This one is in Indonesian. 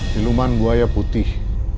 siluman buaya putih